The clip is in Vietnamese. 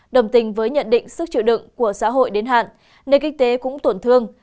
đồng tình với nhận định sức chịu đựng của xã hội đến hạn nền kinh tế cũng tổn thương